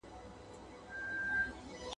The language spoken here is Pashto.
له ږيري ئې واخيست پر برېت ئې کښېښووی.